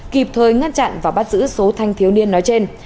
kịp thời ngăn chặn và bắt giữ số thanh thiếu niên nói trên